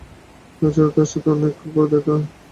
তাছাড়া তাঁর সাথে অনেককাল পরে দেখা।